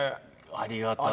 ありがたい。